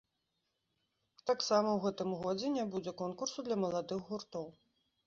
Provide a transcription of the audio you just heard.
Таксама ў гэтым годзе не будзе конкурсу для маладых гуртоў.